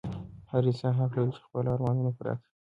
هر انسان حق لري چې خپل ارمانونه پوره کړي.